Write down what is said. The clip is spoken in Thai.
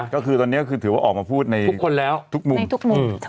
ก็คือตอนนี้ก็คือถือว่าออกมาพูดในทุกมุม